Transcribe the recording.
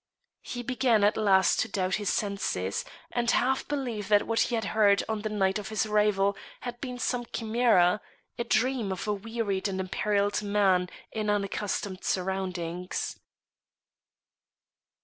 He began at last to doubt his senses, and half believe that what he had heard on the night of his arrival had been some chimera, a dream of a wearied and imperilled man in unaccustomed surroundings.